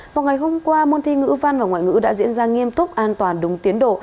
vào ngày hôm qua môn thi ngữ văn và ngoại ngữ đã diễn ra nghiêm túc an toàn đúng tiến độ